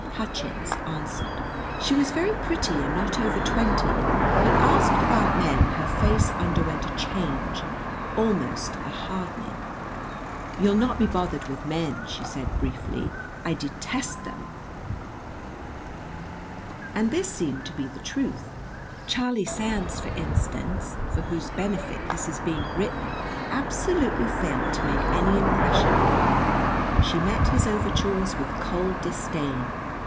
Hutchins answered. She was very pretty and not over twenty; but, asked about men, her face underwent a change, almost a hardening. "You'll not be bothered with men," she said briefly. "I detest them!" And this seemed to be the truth. Charlie Sands, for instance, for whose benefit this is being written, absolutely failed to make any impression on her. She met his overtures with cold disdain.